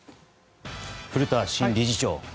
古田新理事長。